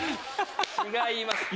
違います！